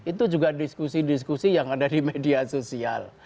itu juga diskusi diskusi yang ada di media sosial